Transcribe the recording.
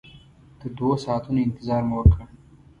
تر دوو ساعتونو انتظار مو وکړ.